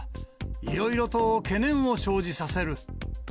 いろいろと懸念を生じさせる。